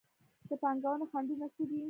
د پانګونې خنډونه څه دي؟